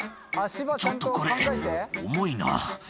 「ちょっとこれ重いな」